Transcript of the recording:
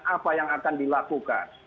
apa yang akan dilakukan